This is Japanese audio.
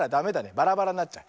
バラバラになっちゃう。